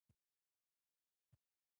تفرقه بده ده.